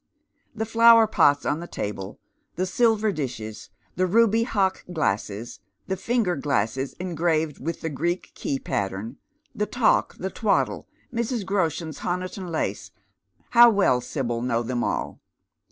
The flower pots on the table, the silver dishes, the ruby hock glasses, the finger glasses engraved with tlie Greek key pattern, the talk, the twaddle, Mrs. Groshen's Honiton lace, how well Sibyl know them all